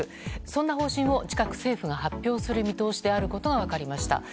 そんな方針を近く政府が発表する見通しであることが分かりました。